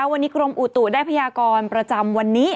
วันนี้กรมอุตุได้พยากรประจำวันนี้